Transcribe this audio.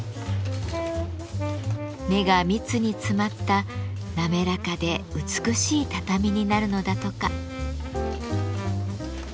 目が密に詰まった滑らかで美しい畳になるのだとか。